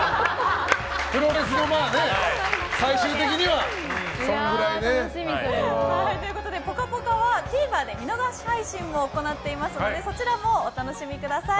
プロレスの最終的にはそのぐらいね。ということで「ぽかぽか」はＴＶｅｒで見逃し配信も行っていますのでそちらもお楽しみください。